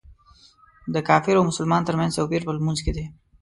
د کافر او مسلمان تر منځ توپیر په لمونځ کې دی.